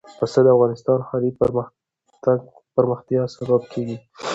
پسه د افغانستان د ښاري پراختیا سبب کېږي.